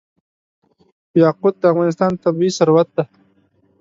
یاقوت د افغانستان طبعي ثروت دی.